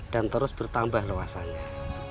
dan terus bertambah luasannya